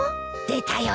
出たよ